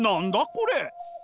これ？